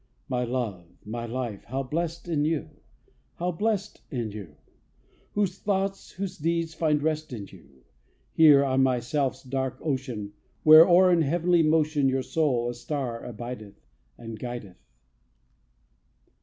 My love, my life, how blessed in you! How blessed in you! Whose thoughts, whose deeds find rest in you, Here, on my self's dark ocean, Whereo'er, in heavenly motion, Your soul, a star, abideth, And guideth.